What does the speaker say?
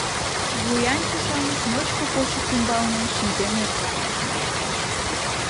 Вуянче-шамыч ночко почышт ӱмбалне шинчен ӧрканышт.